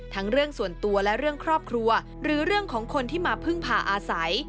ทั้งเรื่องส่วนตัวและเรื่องครอบครัวหรือเรื่องของคนที่มาพึ่งพาอาศัย